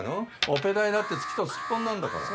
オペ代だって月とすっぽんなんだから。